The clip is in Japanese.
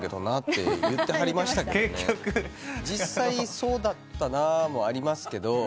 「実際そうだったな」もありますけど。